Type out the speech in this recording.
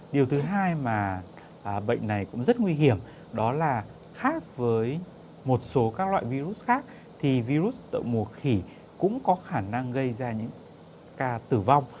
điều thứ hai mà bệnh này cũng rất nguy hiểm đó là khác với một số các loại virus khác thì virus động mùa khỉ cũng có khả năng gây ra những ca tử vong